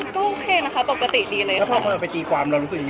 ก็โอเคนะคะปกติดีเลยค่ะ